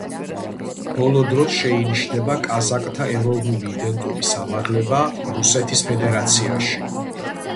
ბოლო დროს შეინიშნება კაზაკთა ეროვნული იდენტობის ამაღლება რუსეთის ფედერაციაში.